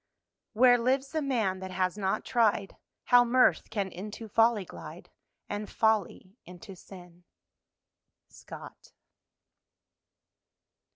"Where lives the man that has not tried How mirth can into folly glide, And folly into sin!" Scott.